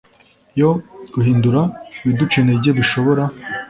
yo guhindura ibiduca integer bishobora